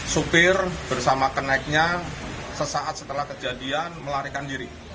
supir bersama keneknya sesaat setelah kejadian melarikan diri